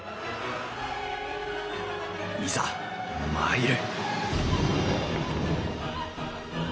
いざ参る！